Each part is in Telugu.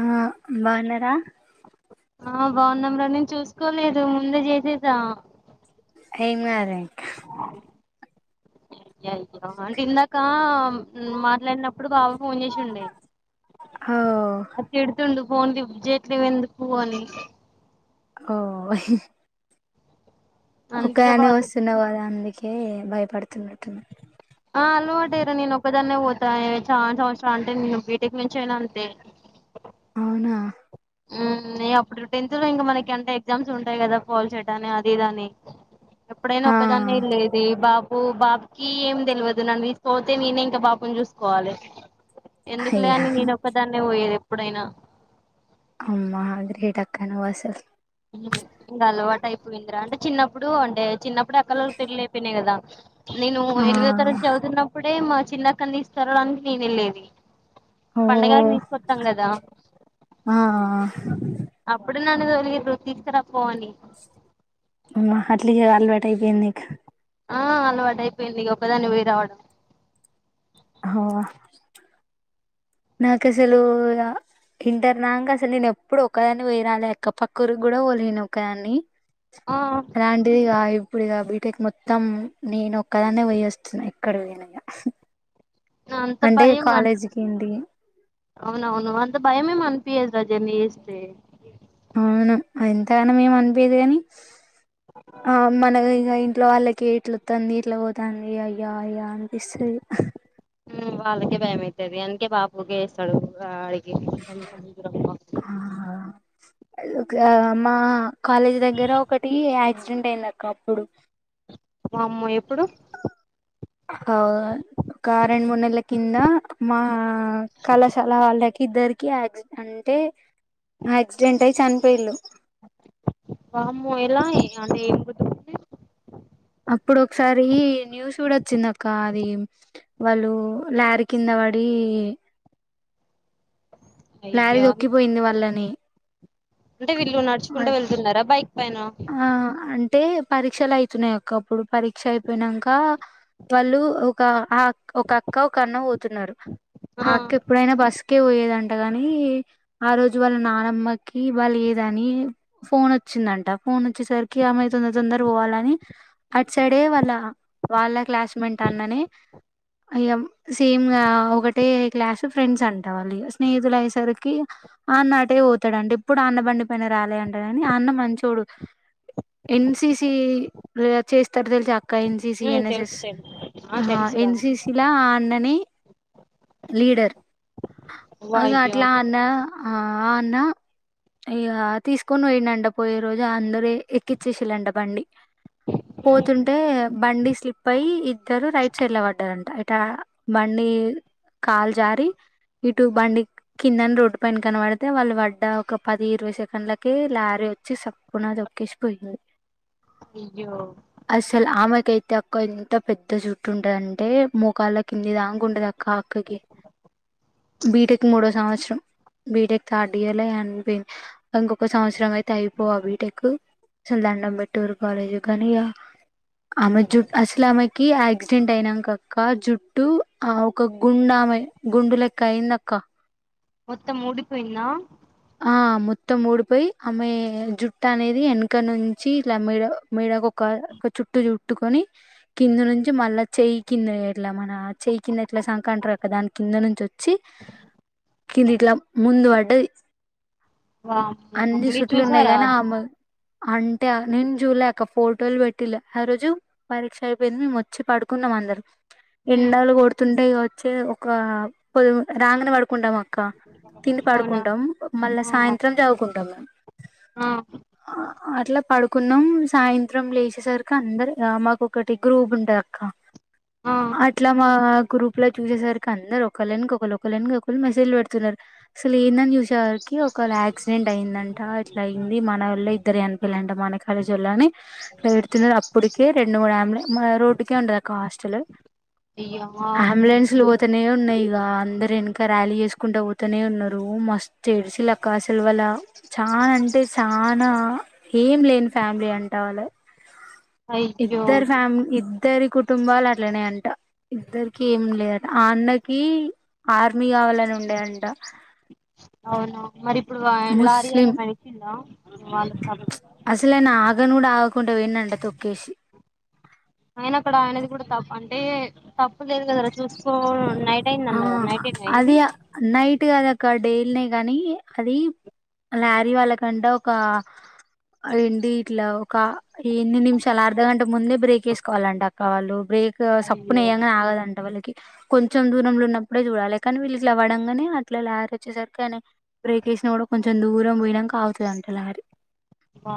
ఆ బావున్నారా ఆ బాగున్నాంరా నేను చూసుకోలేదు ముందే చేసేసా ఎం కదిలే ఇందాక మాట్లాడినప్పుడు బావ పోన్ చేసిండే ఓ ఆది తిడుతుండు. ఫోన్ లిఫ్ట్ చేయవు ఎందుకు అని ఓ హ్ హి అందుకే ఒకదానివే బావతో వస్తున్నావు కదా అందుకే భయపడుతున్నట్టు ఉన్నాడు. ఆ అలవాటే రా నేను ఒక్కదాన్నే పోతా చాలా సంవత్సరాలు అంటే నేను బిటేక్ నుంచి అయినా అంతే అవునా మ్ అప్పుడు టెన్త్ లో ఇంకా మనకి అంటే ఎగ్జామ్స్ ఉంటాయి కదా ఫాలి సెట్ అని అది ఇది అని ఎప్పుడైనా ఆ ఒకదాన్నే లేదు ఏ బాబు బాబుకి ఏం తెలవదు. నన్ను విసిపోతే నేనే ఇంకా బాబు ని చూసుకోవాలి. ఎందుకులే అయ్యా అని నేనొక్కదాన్నే పోయేది ఎప్పుడైనా. అమ్మా అ గ్రేట్ అక్కా నువసలు. ఇంకా అలవాటు అయిపోయిందరా. అంటే చిన్నప్పుడు అంటే చిన్నప్పుడు అక్కా వాళ్ళు పెళ్లిళ్లు అయిపోయినాయి కదా నేను ఆ ఎనిమిదో తరగతి చదువుతున్నప్పుడే మా చిన్న అక్కను తీసుకు రావడానికి నేను వెళ్ళేది. ఓ పండగకి తీసుకొస్తాం కదా? ఆ ఆ అప్పుడు నన్ను తొలిర్రు తీసుకు రాపో అని హమ్మ్ అట్ల క అలవాటు అయిపోయింది ఇక ఆ అలవాటు అయిపోయింది ఒకదాన్నే పోయి రావడం. హ్ వ నాకు అదే అసలు ఇంటర్ దాకా అసలు నేను ఎప్పుడు ఒకదాన్నే పోయిరాలే పక్కూరు కూడా పోలేను ఒకదాన్ని ఆ అలాంటిదిగా ఇప్పుడుక బీటెక్ మొత్తం నేను ఒక్కదాన్నే పోయి వస్తున్నా ఎక్కడికైనా అన్న అంత భయమా ఏంటి అవునవును అంత భయమేం అనిపీయదుగా జర్నీ చేస్తే. అవును ఎంతగనము ఏం అనిపీయదు కాని ఆ మన ఇగ ఇంట్లో వాళ్ళకి ఎట్లు తన్నీ ఇట్లా పోతాంది అయ్యో అయ్యో అనిపిస్తాది. వాళ్ళకే భయమయితాది అందుకే బాపుకే వేస్తాడు అడిగి మా కాలేజీ దగ్గర ఒకటి యాక్సిడెంట్ అయింది అక్కా అప్పుడు వామ్మో ఎప్పుడు? అవు ఒక రెండు మూడు నెలల కింద మా కళాశాల వాళ్ళకి ఇద్దరికి యాక్సిడె అంటే యాక్సిడెంట్ అయి చనిపోయిళు వామ్మో ఎలా ఈ అంటే ఏం గుద్ అప్పుడు ఒకసారి న్యూస్ కూడా వచ్చిందక్కా అది వాళ్ళు లారి కింద పడి లారీ అయ్యో దొక్కిపోయింది వాళ్ళని అంటే వీళ్ళు నడుచుకుంటే అట్- వెళ్తున్నారా బైక్ పైన ఆ అంటే పరీక్షలు అయితున్నాయి అక్కా అప్పుడు పరీక్ష అయిపోయినాకా వాళ్ళు ఒక ఆ ఒక అక్క ఒక అన్న పోతున్నారు ఆ అక్క ఇప్పుడైనా బస్సు కె పోయేటోళ్లంట కాగాని ఆ రోజు వాళ్ళ నానమ్మకి వాళ్ళు ఏ ద అని ఫోన్ వచ్చిందంట ఫోన్ వచ్చేసరికి ఆమె తొందర తొందర పోవాలని అటు సైడే వాళ్ళ వాళ్ళ క్లాస్ మేంట్ అన్ననే ఐ సేమ్ ఒకటే క్లాసు ఫ్రెండ్స్ అంట స్నేహితులు అయ్యేసరికి ఆ అన్న అటే పోతాడంట ఎప్పుడు ఆ అన్నబండి పైన రాలేంట కాని ఆ అన్న మంచోడు ఎన్సిసి చేస్తారు తెలిసి అక్కయించి ఉమ్ తెలుసు ఎన్ఎస్ఎస్ తెలుసు ఆ తెలుసురా ఎన్సిసిలఆ అన్ననే లీడర్ ఇంగా వాయ్యో అట్లా అన్నా ఆ అన్న ఇగ తీసుకొని పోయిండంట పోయే రోజు అందరూ ఎక్కిచ్చేసిడటా బండి ఉమ్ పోతుంటే బండి స్లిప్ అయి ఇద్దరు రైట్ సైడ్లలపడ్డారంట ఇట బండి కాల్ జారి ఇటు బండి కిందన రోడ్డు పైన కనపడితే వాళ్ళు పడ్డ ఒక పది ఇరవై సెకండ్లకె లారీ వచ్చి సప్పన దొక్కేసి పోయింది అయ్యో అసల్ ఆమె కైతే అక్క ఎంత పెద్ద జుట్టు ఉండే అంటే మోకాళ్ళ కింది దాంక ఉండేది అక్క అక్కకి బీటెక్ మూడో సంవత్సరం బీటెక్ థర్డ్ ఇయర్ లో చనిపోయింది ఇంకొక సంవత్సరం అయితే అయిపోవు ఆ బీటెకు కానీ అసలు దండం పెట్టి ఊరుకోవాలి కానీ ఈగ ఆమె జుట్టు అసలు ఆమెకి యాక్సిడెంట్ అయినంక అక్క జుట్టు ఆ ఒక గుండా ఆమె గుండు లెక్క అయిందక్క మొత్తం ఊడిపోయిందా ఆ మొత్తం ఊడిపోయి ఆమె జుట్ట అనేది వెనక నుంచి ఇలా మేడ మేడకు ఒక ఒక చుట్టటు చుట్టుకొని కింద నుంచి మళ్ళా చెయి కింద ఎట్లా మన చేయి కింద ఎట్లా సంక అంటారు దాని కింద నుంచి వ వచ్చి కింది ఇట్లా ముందు పడ్డది వామ్మో అన్ని మీరు చుట్లు ఉన్నాయి చూసారా గానీ అది ఆమే అంటే నేను చూడలే అక్క ఫోటోలు పెట్టిల్లు ఆ రోజు పరీక్ష అయిపోయింది మేము వచ్చి పడుకున్నాం అందరు ఉమ్ ఎండలు కొడుతుంటే ఇక వచ్చే ఒక పొదు రాంగనే పడుకుంటా అక్క తిని అవునా పడుకుంటాం మళ్ళా ఆ సాయంత్రం చదువుకుంటాం ఆ అట్లా పడుకున్నాం సాయంత్రం లేచేసరికి అందరు మాకు ఒకటి గ్రూప్ ఉంటాది అక్క ఆ అట్లా మా గురు ఇప్పులా చూసేసరికి అందరు ఒక్క లేనుక ఒకరు ఒక్క లేనుక ఒకరు మెసేజ్ పెడుతున్నారు అసలు ఏందని చూస్తే ఇగ ఒకవేళ యాక్సిడెంట్ అయిందంట ఇట్లా అయింది మనోళ్లే ఇద్దరు చనిపోయిలంట మన కాలేజ్ లే అని అట్ల పెడుతున్నారు అప్పుటికే రెండు మూడు ఆంబులెన్స్ రోడ్ కే ఉండదక్క మా హాస్టల్ అయ్యో అంబులెన్సులు పోతనే ఉన్నాయి ఇక అందరు ఎను ఇంకా ర్యాలీ చేసుకుంటా పోతనే ఉన్నారు మస్తు ఏడ్చి లక్క అసలు వాళ్లు చానా అంటే చానా ఏం లేని ఫ్యామిలీ అంటా వాళ్ళ అయ్యో ఇద్దరు ఫ్యామిలీ ఇద్దరి కుటుంబాలు అట్లనే అంట ఇద్దరికి ఏం లేదు అన్నకి ఆర్మీ కావాలని ఉండే అంట అవును మరి ఇప్పుడు లారీ ముస్లిం అయిన కలిసిండా వాళ్ళు అసలు ఆయన ఆగను కూడా ఆగకుండా పోయిందంట తొక్కేసి అయిన అక్కడ అనేది కూడా తప్పు అంటే తప్పు లేదు కదరా చూసి ఇ నైట్ అయింది ఆ అన్న నైట్ అయిన్ అయింది అది నైట్ కాద అక్క డేల్నే కానీ అది లారీ వాళ్ళ కంట ఒక రెండి ఇట్లా ఒక ఎన్ని నిమిషాలు అర్ధ గంట ముందే బ్రేక్ వేసుకోవాలంట అక్క వాళ్ళు బ్రేక్ సొప్పు అయ్యో నెయంగానే ఆగాద అంట వల్ కొంచెం దూరంలో ఉన్నప్పుడే చూడాలి కానీ వీళ్ళు ఇట్లా వడంగనే అట్లా లారీ వచ్చేసరికి అని బ్రేక్ వేసినా కూడా కొంచెం దూరం పోయినంక అగుతదంట లారి ఆ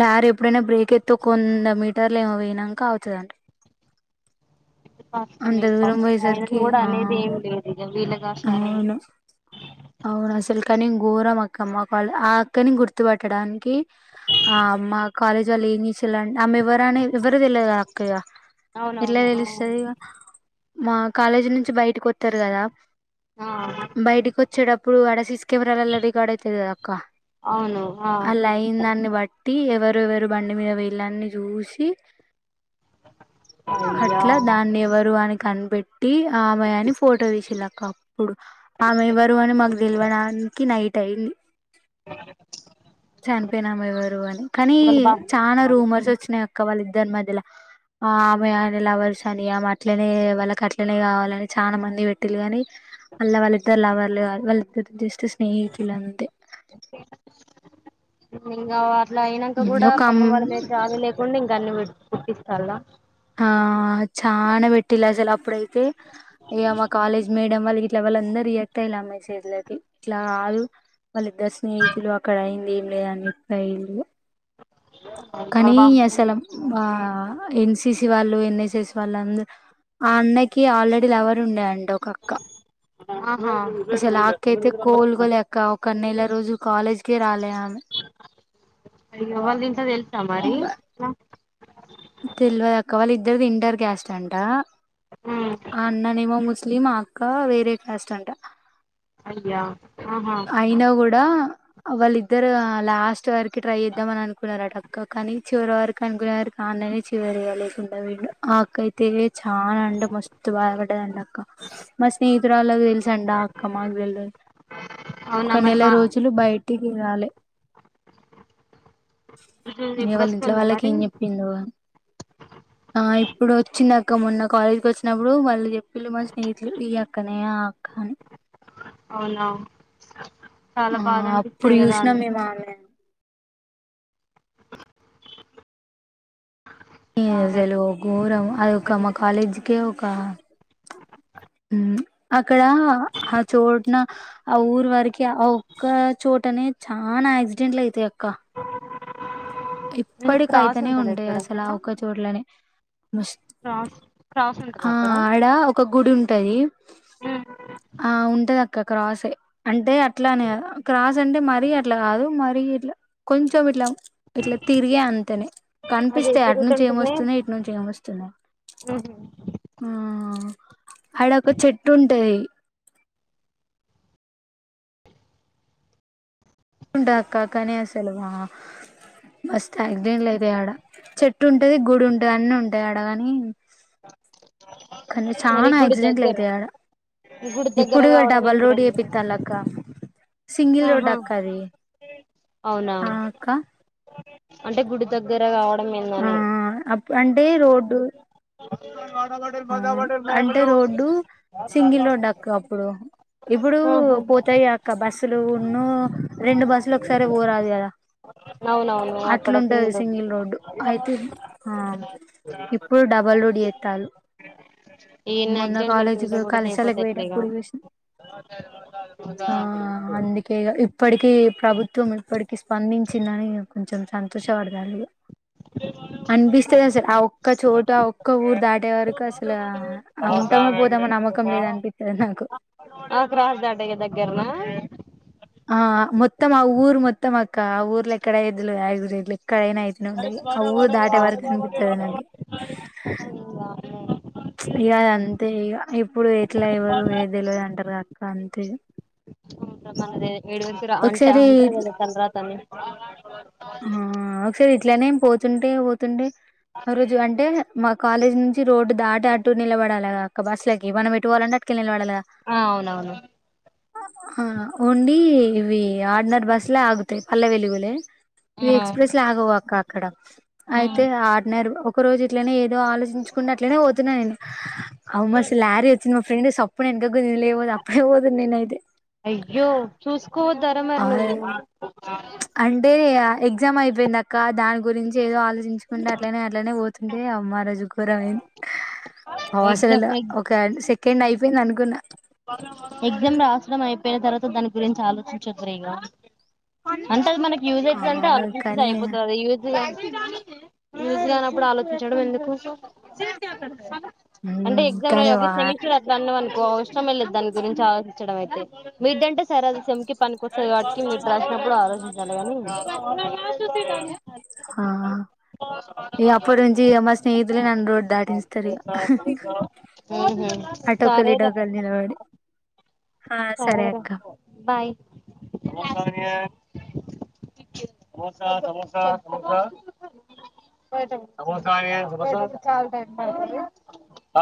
లారీ ఎప్పుడైనా బ్రేక్ ఎత్తే కొంద మీటర్లు ఏమో వేయినొంక అగుతదంటా అంత కష్టలేదు దూరం పాపం ఆయన పోయేసరికి కూడా ఆ అనేది ఏమి లేదు ఇగ వీళ్ళ గాచరమే అవును అవును అసలు కానీ ఘోరం అక్కమ్మళ్ళు ఆ అక్కని గుర్తుపట్టడానికి ఆ మా కాలేజ్ వాల్ ఏం చేసి అమే ఎవరనేది ఎవరికి తెల్వది కదా అక్కయ్య ఎట్లా అవునవును తెలుస్తది ఇగ మా కాలేజీ నుంచి బయటకి వస్తారు కదా ఆ బయటకి వచ్చేటప్పుడు ఆడ సీసీ కెమెరాలలా రికార్డ్ అయితది కదాక్క ఆ లైన్ దాన్ని బట్టి ఎవరు ఎవరు బండి మీద వేళన్ని చూసి అయ్యా అట్లా దాన్ని ఎవరు అని కనిపెట్ పెట్టి ఆమే అని ఫోటో తిసిలాక్క ఇప్పుడు ఆమె ఎవ్వరు అని మాకు తెలవడానికి నైట్ అయింది చనిపోయినామే ఎవరు అని కానీ వాళ్ళ బా చానా రూమర్స్ వచ్చినా క్కవాలిద్దరీ మదలా ఆ ఆమె ఆయనే లవర్స్ అని ఆమె అట్లనే వాళ్ళకి అట్లనే కావాలని చాలా మంది పెట్టిల్లు కాని అళ్ల వాళ్ళిద్దరు లవర్లు కాదు వాళ్ళిద్దరు జస్ట్ స్నేహితులు అంతే ఇంకా అట్లా అయినాక కూడా ఒక అమ్ పాపం వాళ్ళ మీ జాలి లేక డా ఇంకా అన్ని పుట్టిస్తాల్ల ఆ చానా పెట్టిలు అసలు అప్పుడైతే ఇగా మా కాలేజ్ మేడం వాళ్ళు గిట్ల వాళ్ళు అందరు రియాక్ట్ అయ్యిళ్ళు ఆ మెసేజ్ లకి ఇట్లా కాదు వాళ్ళిద్దరు స్నేహితులు అక్కడ అయింది ఏం లేదని చెప్ప ఇలు వాళ్ళ కానీ బా అసలం ఆ ఎన్సిసివాళ్ళు ఎన్ఎస్ఎస్ వాళ్ళు అందరు ఆ అన్నకి ఆల్రెడీ లవర్ ఉండేయండి ఒకక్క కా ఆహా అసలు ఆక్కైతే కోలుకోలేక ఒక నెల రోజులు కాలేజ్ కే రాలే ఆమె అయ్యో వాల్ల ఇంట్ల తెల్సా మరి తెలివదు అక్క వాళ్ళ ఇద్దరుది ఇంటర్ క్యాస్ట్ అంట ఉ ఆ అన్ననేమో ముస్లిం ఆ అక్క వేరే కాస్ట్ అంట అయ్యా ఆహా అయినా కూడా వాళ్ళిద్దరూ అ లాస్ట్ వరకు ట్రై చేద్దాము అని అనుకున్నారు అంట అక్క కాని చివరి వరకు అనుకునే వరకు ఆ అన్ననే చివరిగా లేకుండ పోయిండు ఆ అక్క అయి తే ఛాన్ అండ్ మస్తు బాధపడ్డఅంటా అక్క మా స్నేహితురాళ్ళకు తెలుసు అంటా ఆ అక్క మాకు తెలవదు ఒక అవునా మరి నెల మా రోజులు బయట టీకి రాలే ఇప్పుడు ఇగ ఇప్పుడు వాళ్ళ ఇంట్లో వస్తుందా వాళ్ళకి మరి ఏం చెప్పి లో గని ఆ ఇప్పుడు వచ్చింది అక్క మొన్న కాలేజీ కీ వచ్చినప్పుడు మళ్లీ చెప్పిండ్లు మా స్నేహితులు ఈ అక్కనే ఆ అక్క అని అవునా చాలా బాధ అనిపిత్తది కదా అన్ మామే అని ఈ ఆమె అసలు ఘోరం అదొక మా దగ్గరికి. కాలేజీకే ఒక ఇమ్ అక్కడ ఆ చోట్టునా ఆ ఊరు వరికి ఆ ఒక్క చోటనే చానాా యాక్సిడెంట్లు అయితాయి అక్క ఎందుకు క్రాస్ ఇప్పటికైతేనే ఉంటదా ఉంటయి ఇక్కడ అసలు ఆ మీనా ఒక్క చోట్లనే మస్ క్రాస్ క్రాస్ ఉంటదా ఆ అక్కడ ఆడ ఒక గుడి ఉంటది ఉమ్, అ ఉంటది అక్క క్రాస్ అంటే అక్ ఇట్లా అనే క్రాస్ అంటే మరీ అట్లా కాదు మరీ ఇట్లా కొంచెం ఇట్లా పిర్ ల తీరిగే అంతనే అదే కనిపిస్తే అటు నుంచి ఏం వస్తున్నాయి ఇటు నుంచి ఏం వస్తున్నాయి ఊహు ఆ ఆడ ఒక చెట్టు ఉంటది ఉండూ అక్క కాని అసలు వా మస్త్ యాక్సిడెంట్లు అయితయ్ ఆడ చెట్టు ఉంటది గుడి ఉంటది అన్ని ఉంటాయి ఆడ గానీ కానీ మరి చానా గుడి యాక్సిడెంట్లు దగ్గర అయితయ్ ఆడ గుడి దగ్గర ఇప్పుడు ఇగ కావడం డబల్ ఏందిరా రోడ్ మరి ఏపిత్తరు అక్క సింగిల్ రోడ్ ఆహా అక్క అది అవునా ఆ అక్క అంటే గుడి దగ్గర రావడం ఏందని ట్వాంటి రోడ్డు అవును అంటే రోడ్డు సింగిల్ రోడ్డు అక్క అప్పుడు ఇప్పుడు ఆహా పోతాయి అక్క బస్సులు ఊను రెండు బస్సులు ఒకసారి పోరాదు కదా అవునవును అక్కడ అట్లుంటది సింగిల్ రోడ్డు అయితే ఆ ఇప్పుడు డబల్ రోడ్ ఏత్తరు ఈన్ని యాక్సిడెంట్లు అయితుంటే కాలేజీకి కూడా చేయకపోతే కళాశాలకు ఏట్లా ఇగా పోయేటప్పుడు చూసిన తినకుంటే ఏం ఆ అందుకే ఇగ ఇప్పటికీ ప్రభుత్వం ఇప్పటికి స్పందించిందని కొంచెం సంతోషపడతారు అనిపిస్తది అసలు ఆ ఒక్క చోటు ఆ ఒక్క ఊరు దాటే వరకు సమోసా అసలు బండి ఆ సమోసా ఉంటామా వెండి పోతామా నమ్మకం సమోసా లేదు అనిపిత్తది నాకు అ క్రాస్ దాటాగా దగ్గరన ఆ మొత్తం ఆ ఊరు మొత్తం అక్క ఆ ఊరు ఎక్కడ ఐయేద్ తెల్వదు ఎక్కడైన నుండి ఆ ఊరు దాటే వరకు అనిపిత్తది నాకి ఇంగ ఊ ఇగ అంతే ఇగ ఇప్పుడు ఎట్లా ఎవరు ఏ తెలియదు అంటారు గాక్క అంతే అవుండ్రా మనదే [unintelligible] అంట ఒకసారి అంటారు కదా తలరాత అనేది ఆ ఆరు ఒకసారి ఇట్లనే ఏం పోతుంటే పోతుంటే ఆ రోజు అంటే మా కాలేజ్ నుంచి రోడ్డు దాటి అటు నిలబడాలిగా అక్క బస్లకి మనం ఎట్టు పొవాలంటే అటు కీ నిలబడాలి గా ఆ అవునవును ఆ ఉండి ఇవి ఆడీనర్ బస్లే ఆగుతాయి పల్లె వెలుగులే ఇవి ఆ ఎక్స్ప్రెస్ అగావు అక్క అక్కడ అయితే ఆడినరీ ఒక్ ఒక్క రోజు ఇట్లనే ఏదో ఆలోచించుకుండా అట్లనే పోతున్నా నేను అమ్ అసల్ లారీ వచ్చింది మా ఫ్రెండ్ సప్ ఇప్పుడు వెనకకు గుంజిలు లేకపోతే అప్పుడే పోదుండే నేనైతే అయ్యో చూసుకోవద్దారా మరి ఆ, నువ్వు అంటే ఎగ్జామ్ అయిపోయింది అక్క దాని గురించి ఏదో ఆలోచిం కుంటే అట్లనే అట్లనే పోతుండే అమ్మ రోజు ఘోరం అయింది అసలు ఎగ్జామ్ ఎగ్ ఒక సెకండ్ అయిపోయింది అనుకున్నా ఎగ్జామ్ రాసుడం అయిపోయిన తర్వాత దాని గురించి ఆలోచించదురు ఇగా అంటే అది మనకి యూజ్ ఆ అవుతది అంటే ఆల్మోస్ట్ కానీ ఐపోతది అది యూజ్ గానప్పుడు ఆలోచించడం ఎందుకు అంటే మ్మ్ ఎగ్జామ్ రాయి కానీ ఒక వా సెమిస్టర్ అన్నవనుకో ఇష్టమే లేదు దాని గురించి ఆలోచించడం అయితే మీదంటే సరే సెమ్కి అది పనికి కొస్తది వాటికీ మీరు రాసినప్పుడు ఆలోచించాలికాని ఆ ఇగ అప్పుడు నుంచి మా స్నేహితులే నన్న రోడ్ దాటిస్తతరు ఇగ ఉహు ఆటోకల్ సరేరా ఇటోకల్ నిలబడి ఆ సరే అక్క రా బాయ్ సోసా సమోసా సమోసా సంవత్సరానికి సంవత్సరం చాలా టైం పడుతది